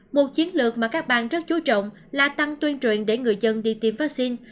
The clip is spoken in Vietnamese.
một chiến lược mà các bang rất chú trọng là tăng tuyên truyền để người dân đi tiêm vaccine